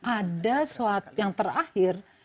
ada yang terakhir